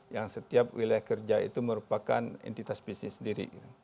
yang setiap wilayah kerja itu merupakan entitas bisnis sendiri